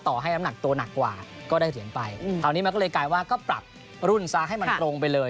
ให้น้ำหนักตัวหนักกว่าก็ได้เหรียญไปคราวนี้มันก็เลยกลายว่าก็ปรับรุ่นซะให้มันตรงไปเลย